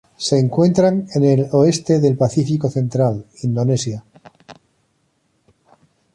Se encuentran en el oeste del Pacífico central: Indonesia.